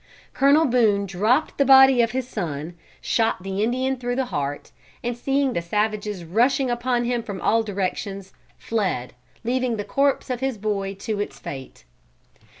Colonel Boone dropped the body of his son, shot the Indian through the heart, and seeing the savages rushing upon him from all directions, fled, leaving the corpse of his boy to its fate.